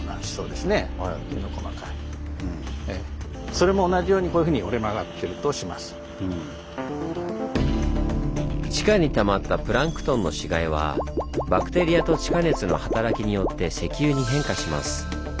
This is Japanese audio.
それも同じようにこういうふうに地下にたまったプランクトンの死骸はバクテリアと地下熱の働きによって石油に変化します。